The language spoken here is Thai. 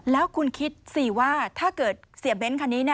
แล้วคุณคิดสิว่าถ้าเกิดเสียเบ้นคันนี้